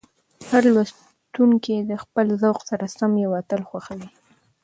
هر لوستونکی د خپل ذوق سره سم یو اتل خوښوي.